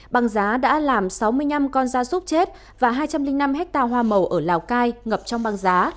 băng giá đã làm sáu mươi năm con da súc chết và hai trăm linh năm hectare hoa màu ở lào cai ngập trong băng giá